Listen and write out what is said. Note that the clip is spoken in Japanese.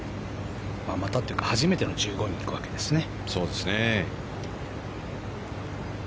またというか初めての１５に行くわけですね。